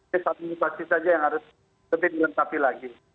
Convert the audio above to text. disaminifasi saja yang harus lebih mencapai lagi